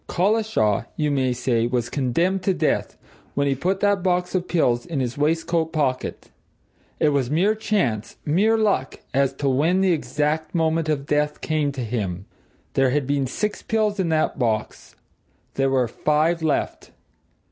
Collishaw, you may say, was condemned to death when he put that box of pills in his waistcoat pocket. It was mere chance, mere luck, as to when the exact moment of death came to him. There had been six pills in that box there were five left.